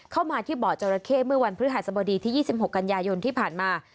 เข้ามาที่บ่อจราเข้เมื่อวันพฤหัสบดีที่๒๖กันยายนที่ผ่านมา